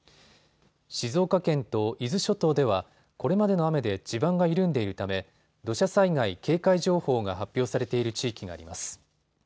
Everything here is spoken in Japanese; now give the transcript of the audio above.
静岡県と伊豆諸島ではこれまでの雨で地盤が緩んでいるため土砂災害警戒情報が発表されている地域があります。